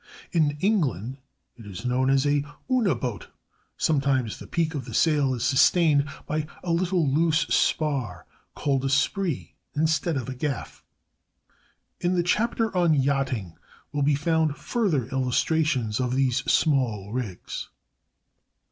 In England it is known as a una boat. Sometimes the peak of the sail is sustained by a little loose spar called a "sprit," instead of a gaff. In the chapter on Yachting will be found further illustrations of these small rigs.